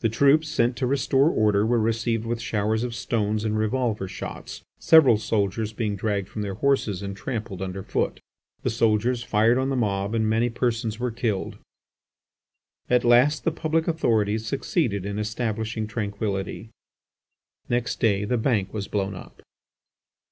The troops sent to restore order were received with showers of stones and revolver shots; several soldiers being dragged from their horses and trampled underfoot. The soldiers fired on the mob and many persons were killed. At last the public authorities succeeded in establishing tranquillity. Next day the Bank was blown up.